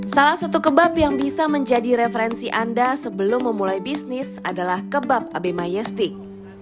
salah satu kebab yang bisa menjadi referensi anda sebelum memulai bisnis adalah kebab abe mayastik